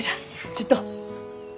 ちっと。